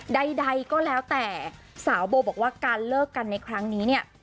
ใดก็แล้วแต่สาวโบบอกว่าการเลิกกันในครั้งนี้เนี่ย